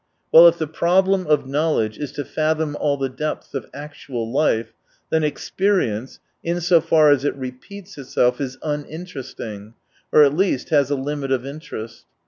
Well, if the problem of knowledge is to fathom all the depths of actual life, then experience, in so far as it repeats itself, is uninteresting, or at least has a limit of interest.